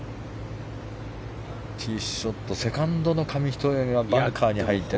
ティーショットセカンドの紙一重がバンカーに入って。